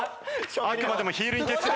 あくまでもヒールに徹する。